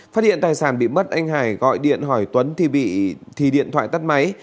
phát hiện tài sản bị mất anh hải gọi điện hỏi tuấn thì điện thoại tắt máy